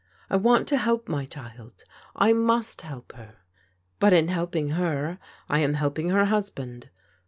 I want to help my child — I must help her — but in helping her, I am helping her husband.